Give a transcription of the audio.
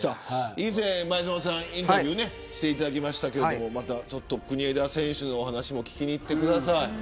以前、前園さんインタビューをしていただきましたが国枝選手のお話もまた聞きに行ってください。